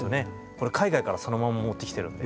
これ海外からそのまま持ってきてるので。